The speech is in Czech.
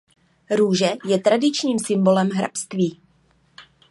Růže je tradičním symbolem hrabství.